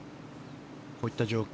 こういった状況